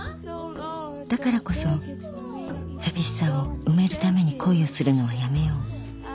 ［だからこそ寂しさを埋めるために恋をするのはやめよう］